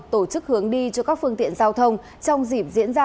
tổ chức hướng đi cho các phương tiện giao thông trong dịp diễn ra